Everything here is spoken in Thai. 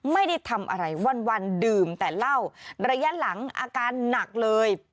ไม่ได้ทำอะไรวันดื่มแต่เหล้าระยะหลังอาการหนักเลย